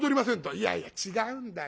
「いやいや違うんだよ。